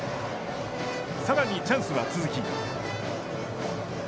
さらに、チャンスは続き。